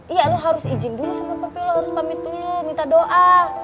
iya lo harus izin dulu semua perfil lo harus pamit dulu minta doa